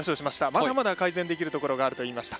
まだまだ改善できるところがあると言いました。